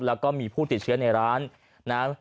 แล้วก็มีผู้ติดเชื้อในร้านนะ